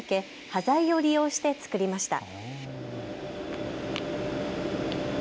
端材を利用して作りました。